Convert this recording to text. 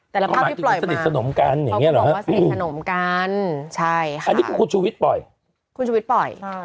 แต่ละภาพที่ปล่อยมาเพราะผมบอกว่าสนิทสนมกันใช่ค่ะคุณชุวิตปล่อยคุณชุวิตปล่อย